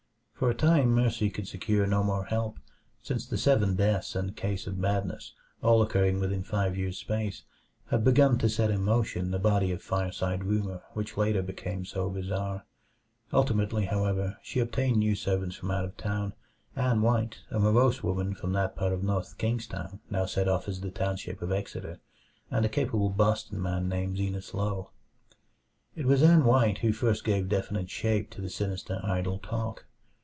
For a time Mercy could secure no more help, since the seven deaths and case of madness, all occurring within five years' space, had begun to set in motion the body of fireside rumor which later became so bizarre. Ultimately, however, she obtained new servants from out of town; Ann White, a morose woman from that part of North Kingstown now set off as the township of Exeter, and a capable Boston man named Zenas Low. It was Ann White who first gave definite shape to the sinister idle talk.